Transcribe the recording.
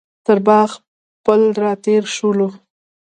تر باغ پل راتېر شولو.